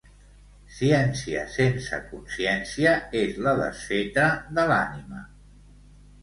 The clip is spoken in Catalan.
Ciència sense consciència és la desfeta de l'ànima.